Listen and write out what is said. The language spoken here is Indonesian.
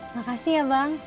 makasih ya bang